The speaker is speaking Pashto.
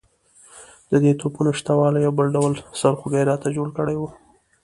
د دې توپونو شته والی یو ډول سرخوږی راته جوړ کړی وو.